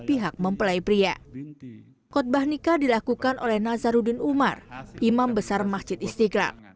pihak mempelai pria khutbah nikah dilakukan oleh nazaruddin umar imam besar masjid istiqlal